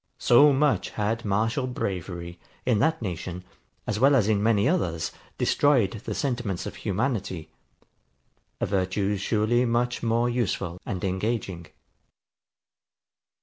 So much had martial bravery, in that nation, as well as in many others, destroyed the sentiments of humanity; a virtue surely much more useful and engaging.